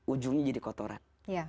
ujungnya jadi kotoran